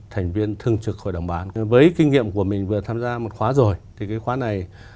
thành viên thương trực hội đồng bán với kinh nghiệm của mình vừa tham gia một khóa rồi thì cái khóa này